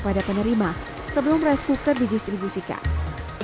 pada penerima sebelum rice cooker didistribusikan